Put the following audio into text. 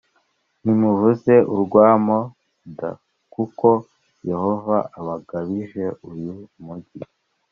nimuvuze urwamo d kuko Yehova abagabije uyu mugi